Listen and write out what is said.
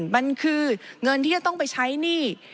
มันคือเงินที่จะต้องไปใช้หนี้